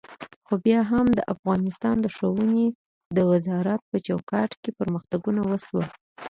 خو بیا هم د افغانستان د ښوونې د وزارت په چوکاټ کې پرمختګونه وشول.